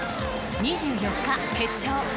２４日決勝。